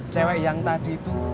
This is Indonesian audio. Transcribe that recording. cewek yang tadi tuh